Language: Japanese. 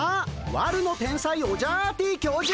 悪の天才オジャアーティ教授！